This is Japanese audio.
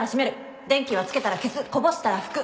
電気はつけたら消すこぼしたら拭く！